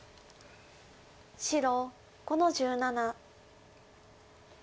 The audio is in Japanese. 白５の十七。